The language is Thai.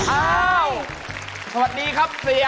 อ้าวสวัสดีครับเสีย